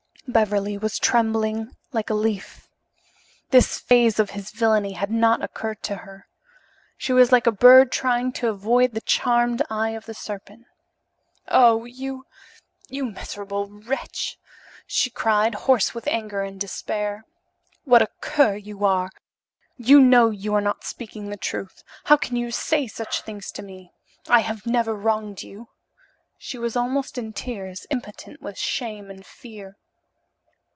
Beverly was trembling like a leaf. This phase of his villainy had not occurred to her. She was like a bird trying to avoid the charmed eye of the serpent. "Oh, you you miserable wretch!" she cried, hoarse with anger and despair. "What a cur you are! You know you are not speaking the truth. How can you say such things to me? I have never wronged you " She was almost in tears, impotent with shame and fear.